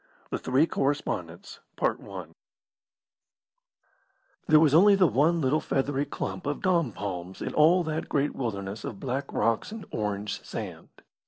THE THREE CORRESPONDENTS There was only the one little feathery clump of dom palms in all that great wilderness of black rocks and orange sand.